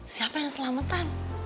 siapa yang selamatan